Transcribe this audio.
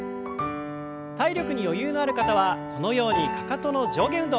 体力に余裕のある方はこのようにかかとの上下運動